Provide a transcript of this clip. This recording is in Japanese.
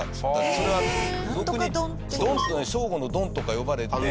それは俗に「正午のドン」とか呼ばれて。